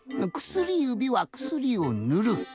薬指は薬をぬる。